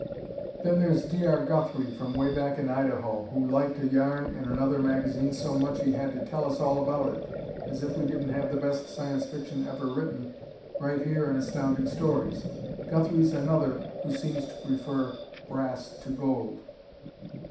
Then there's D. R. Guthrie, from way back in Idaho, who liked a yarn in another magazine so much he had to tell us all about it as if we didn't have the best Science Fiction ever written right here in Astounding Stories. Guthrie's another who seems to prefer brass to gold.